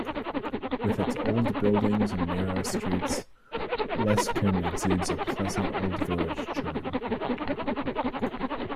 With its old buildings and narrow streets, Lescun exudes a pleasant old village charm.